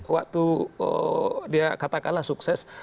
waktu dia katakanlah sukses